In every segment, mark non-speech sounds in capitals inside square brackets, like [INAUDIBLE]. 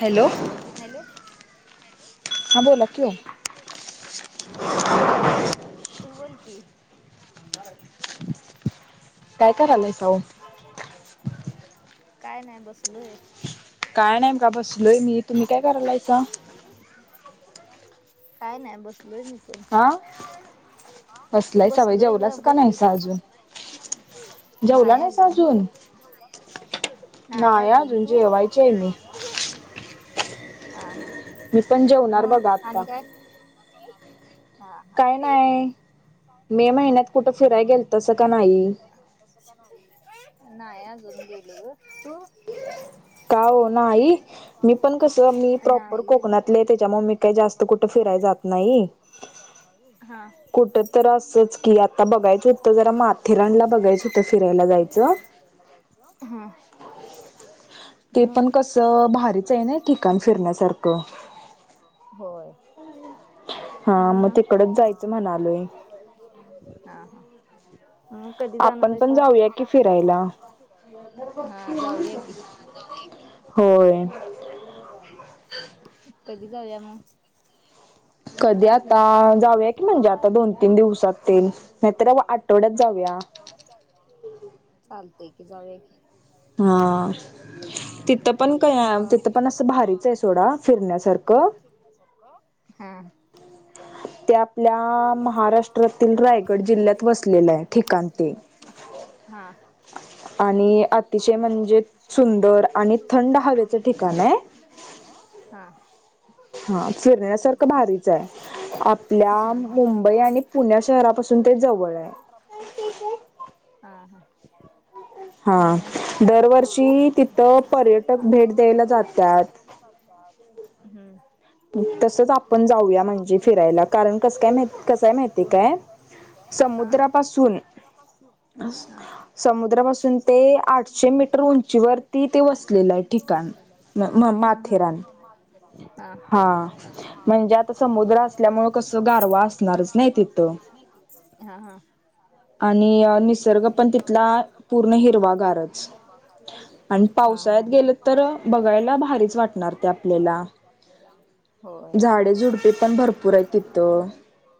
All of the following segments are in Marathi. हॅलो. हां बोला की ओ. [UNINTELLIGIBLE] काय करायलासा ओ? काय नाही बसलोय. काय नाही बघा बसलोय मी. तुम्ही काय करायलासा? काय नाही बसलोय मी पण. बसलोय ग, बोल की. नाही अजून. तू? नाही अजून तू? हा, हा. मी पण जेवणार बघा आता. हा, हा. मे महिन्यात कुठं फिरायला गेलतासा का नाही? नाही अजून गेले ग. तू? का ओ नाही. मी पण कसं मी प्रॉपर कोकणातली हाय त्याच्यामुळे मी काही जास्त कुठ फिराय जात नाही. कुठ तर असंच की आता बघायचं होतं जरा माथेरानला बघायचं होतं फिराय हा. ते पण कसं भारीच आहे ना ठिकाण फिरण्यासारखं. हम्म, हा, हा. आपण पण जाऊया कि फिरायला. होय. कधी जाऊया मग? कधी आता जाऊया, की म्हणजे आता दोन तीन दिवसात तेन नाहीतर आठवड्यात जाऊया. चालतंय की जाऊया की. हा. तिथं पण का तिथं पण असं भारीच आहे सोडा फिरण्यासारखं. ते आपल्या महाराष्ट्रातील रायगड जिल्ह्यात वसलेलं आहे ठिकाण ते. हा. आणि अतिशय म्हणजे सुंदर आणि थंड हवेचं ठिकाण आहे. हा. हा फिरण्यासारखं भारीच आहे. आपल्या मुंबई आणि पुण्या शहरापासून हा, हा. हा दरवर्षी तिथं पर्यटक भेट द्यायला जातात. [INAUDIBLE] हम्म. तसच आपण जाऊया म्हणजे फिरायला, कारण कस काय कस हाय माहितीये काय समुद्रापासून समुद्रापासून ते आठशे मीटर उंचीवरती ते वसलेलं हा, हा. हा. म्हणजे आता समुद्र असल्यामुळं कसं गारवा असणारच नाही तिथं. हा हा आणि निसर्ग पण तिथला पूर्ण हिरवा गारच आणि पा पावसायात गेलं तर बघायला भारीच वाटणार ते आपल्याला लेला झाडे झुडपी पण भरपूर आहे तिथं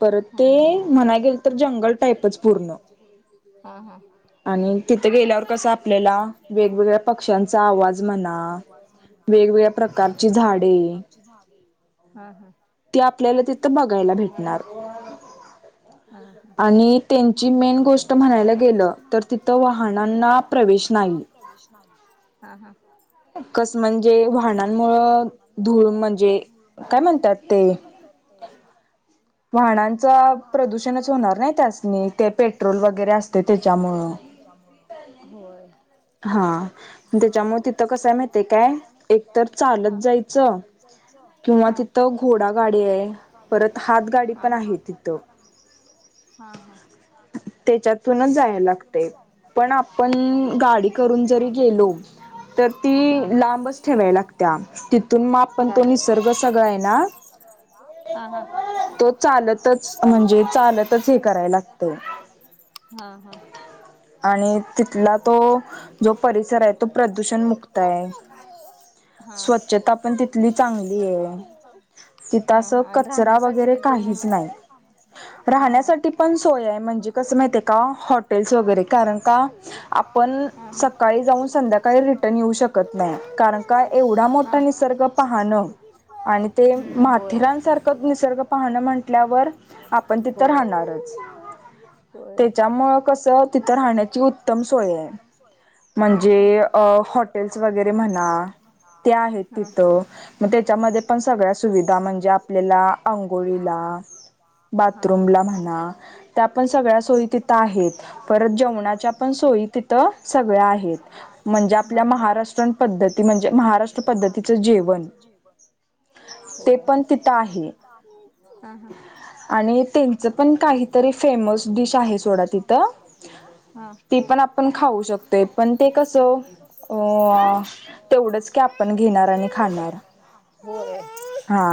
परत ते म्हणाय गेल म्ह गे जंगल टाई तिथ गेल्यावर वेगवेगळ्या पक्ष्यांचा आवाज म्हणा वेगवेगळ्या प्रकारची झाडे झा हम हम ते आपल्याला तिथं बघायला भेटणार आणि त्यांची मेन गोष्ट म्हणायला गेलं तर तिथ वाहनांना प्रवेश नाही ह हा हा ह कस म्हणजे वाहनांमुळं धूळ म्हणजे काय म्हणतात ते वाहनांचा प्रदूषणच होणार प्रदष होणार नाही ते पेट्रोल वगैरे असते त्याच्यामुळे होय हा त्याच्यामुळे तिथं कसय माहतय काय एकतर चालत जायचं किंवा त घ झा हा हा तिथूनच जायला लागतय पण आपण गाडी करून जरी गेलो तर ती लांबच ठेवाय लागत्या तिथून मा पण तो निसर्ग सगळा आहे ना तो चालतच म्हणजे चालतच हे कराय लागत ह हा हा आणि तिथला तो जो परिसर आहे तो प्रदूषण मुक्त आहे स्वच्छता पण तिथली चांगली आहे तिथ अस कचरा वगैरे का काहीच नाही राहण्यासाठी पण सोय हाय म्हणजे असं का माहिती का हॉटेल्स वगैरे कारण का आपण सकाळी जाऊन संध्याकाळी रिटर्न येऊ श शकत नाही कारण का एवढा मोठा निसर्ग पाहणं आणि ते माथेरासारखं निसर्ग पाहणं म्हटल्यावर आपण तिथं राहणारच [INAUDIBLE] होय मग कस तिथ राहण्याची उत्तम सोय आहे म्हणजे कसं हॉटे वगैरे म्हणा ते आहे तिथं त्याच्यामध्ये पण सगळ्या सुविधा म्हणजे आपल्या आंघोळीला बाथरूमला म्हणा त्या पण सगळ्या सोयी तिथ आहेत पण जेवणाच्या पण सोय तिथ सगळ्या आहेत म्हणजे आपल्या महाराष्ट्र म पद्धती म्हणजे महाराष्ट्र पद्धतीचं जेवण होय ते पण आहे ह आणि त्यांचं पण काहीतरी फेमस डिश आहे डिश आहे सोड तथ त पण आपण खाऊ शकतोण ते कस हो तेवढंच की आपण घेणार आणि खाणार होय हा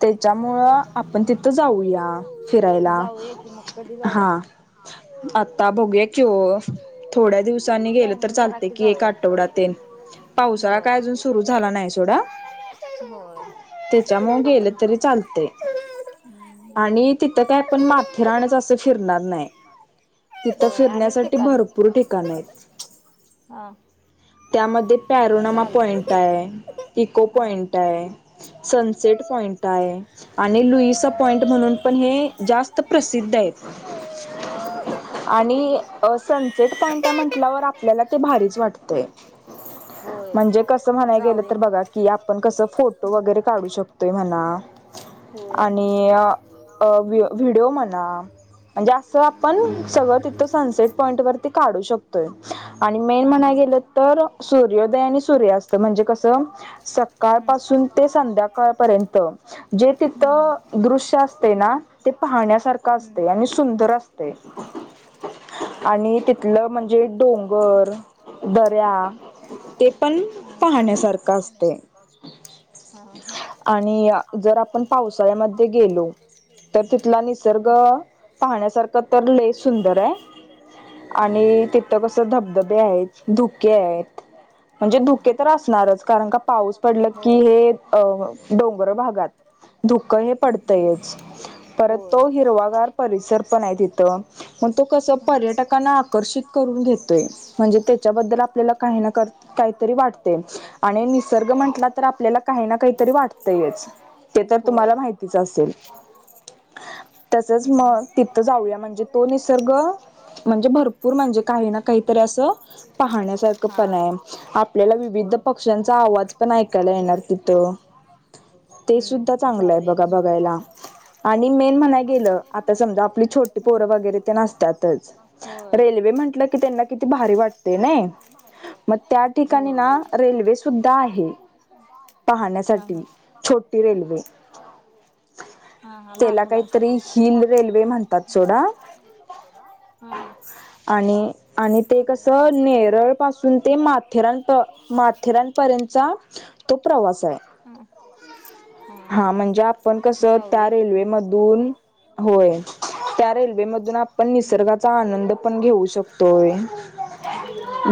त्याच्यामुळं आपण तिथं जाऊया फिरायला कधी जाऊया आता बघूया कि थोड्या दिवसांनी गेल तर चालते की एक आठवड्याात ये पावसाळा काय अजून सुरू झाला नाही सोडा त्याच्यामु गेलं तरी चालते आणि तिथं काय पण माथेराहण्याचं असं हो आणि ठिकाणी हा. त्यामध्ये पॅरोनामा पॉइंट आहे इको पॉइंट आहे. सनसेट पॉइंट आहे आणि लुईसा पॉइंट म्हणून पण हे जास्त प्रसिद्ध आहे. हा. ह. आणि सनसेट पॉइंट आहे म्हटल्यावर आपल्याला ते भारीच वाटतय. म्हणजे कसं म्हणाय, गेलं तर बघा की आपण कसं, फोटो वगैरे काढू शकतोय म्हणा. आणि व्हिडिओ म्हणा, म्हणजे असं आपण सगळं तिथं सनसेट पॉईंट वरती काढू शकतोय आणि मेन म्हणा, सूर्योदय आणि सूर्यास्त म्हणजे कस सकाळ, पासून ते संध्याकाळ पर्यंत जे तिथ दृश्य असते ना ते पाहण्या सारखं. असते आणि सुंदर असते. हह हा. ते पण पाहण्यासारखं असते. हा ह आणि जर आपण पा ह् हम. धब आहेत धुके म्हणजे धुके तर असणारच कारण का पाऊस पडलं की हे अ डोंगर भागात, धुक हे पडतंयच परत तो. हिरवागार परिसर पण आहे तिथं मग तो कसं पर्यटकांना आकर्षित करून घेतोय. म्हणजे त्याच्याबद्दल आपल्याला काही ना काहीतरी वाट आणि निसर्ग म्ह तर आपल्याला काही ना काहीतरी वाटतयच ते तर तुम्हाला माहितीच असेल. ह. तसच मग तिथं जाऊया म्हणजे तो निसर्ग म्हणजे भरपूर म्हणजे, काही ना काहीतरी अस. च पाहण्यासारखं आपल्याला विविध पक्ष्यांचा आवाज, ् जाऊया की. आणि मेन म्हणाय, केल तर संघ आपल्या छोटी पोर वगैरे असतातच रेल्वे म्हटलं की त्यांना किती, भारी वाटते नाही मग त्या ठिकाणी ना रेल्वे सुद्धा आहे. हा हा. हा लहान मुलांसाठी. ह हा. आणि आणि ते कस नळून मारा. हा जाऊया की मग. दन. होय त्या रेल्वेमधून आपण निसर्गाचा आनंद पण घेऊ शकतोय.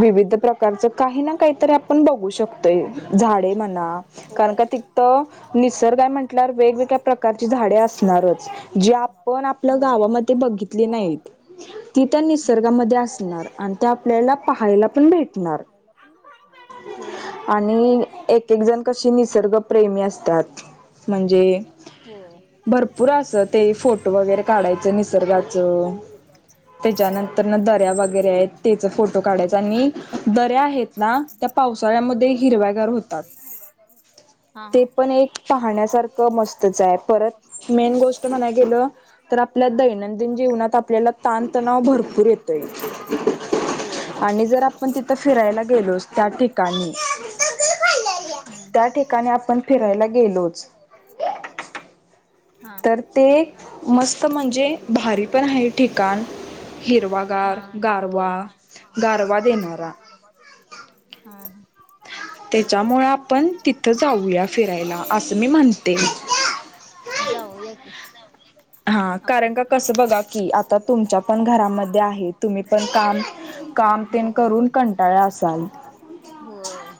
विविध प्रकारच काही ना काहीतरी आपण बघू शकतोय. झाडे म्हणा कारण का तिकतं निसर्ग आहे म्हटल्या वेगवेगळ्या प्रकारची झाडे असणारच. जे आपण आपल्या गावामध्ये बघितले नाहीत ती तर निसर्गामध्ये असणार. आपल्याला पाहायला पणत आणि, आणिून निसर्गप्रेमी असतात, होय. ते फोटो वगैरे काढायचं निसर्गाचं. त्याच्यानंतर दरऱ्या वगैरे आहेत त्याच फोटो काढायचा आणि दऱ्या आहेत ना, पावसाळ्यामध्ये. हिरव्यागार होतात ते पण एक पाहण्यासारखं मस्तच आहे परत, असते. गोष्ट म्हणाय गेलं तर आपल्या दैनंदिन जीवनात आपल्याला ताणतणाव भरपूर येतोय. आणि जर आपण तिथं फिरायला गेलोस त्या ठिकाणी, त्या ठिकाणी आपण फिरयला गेलो. तर ते मस्त म्हणजे भारी पण आहे ठिकाण हिरवागार गारवा, गारवा देणारा हा. ह [UNINTELLIGIBLE] होय. जाऊया की आपण होय. होय. होय.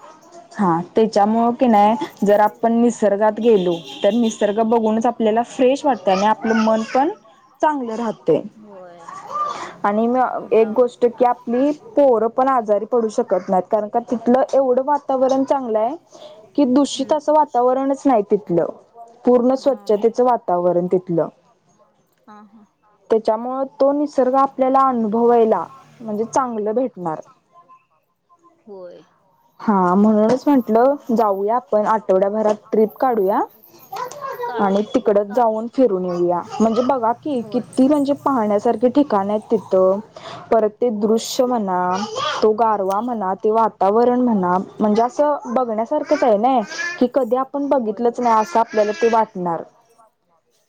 हा त्याच्यामुळे की नई, जर आपण निसर्गात गेलो, तर निसर्ग बघूनच आपण आपल्याला फ्रेश वाटत, आणि आपलं मन पण चांगलं राहतय. आणि म एक गोष्ट की आपली पोरं पण आजारी पडू शकत नाहीत, कारण का तिथलं एवढं वातावरण चांगलं आहे, की दूषित असं वातावरणच नाही तिथलं पूर्ण हा, पूर्ण स्वच्छ वातावरण दिसत हा. हा. त्याच्यामुळं तो निसर्ग आपल्याला अनुभवायला म्हणजे चांगलं भेटणार होय. हा म्हणूनच म्हटलं, जाऊया आपण आठवड्याभरात ट्रिप काढूया. आणि तिकडच जाऊन फिरून येऊया, म्हणजे बघा की किती म्हणजे पाहण्यासारखे ठिकाण आहे तिथे, परत ते दृश्य म्हणा, तो गारवा म्हणा ते वातावरण वरण म्हणा, म्हणजे अस बघण्यासारखंच हाय नई, म्हणजे कधी आपण बघित नाही असं आपल्याला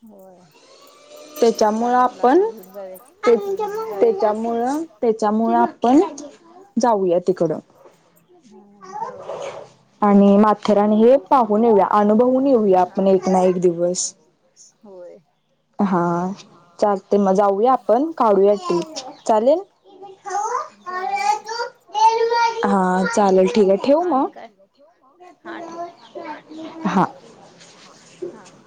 होय. त्याच्यामुळं आपण त्याच्यामुळ त्याच्यामुळ आपण जाऊया तिकडं आणि माथेरान हे पाहून येऊया अनुभवून येऊया एक एक दिवस होय. हा चालतय, मग जाऊया आपण काढूया ट्रिप चालेल? जाऊया की हा. चालेल ठीक आहे, ठेऊ मग? हा. हा, हम.